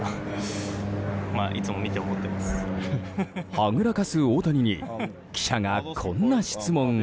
はぐらかす大谷に記者がこんな質問を。